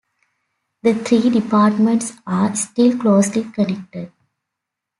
The three departments are still closely connected.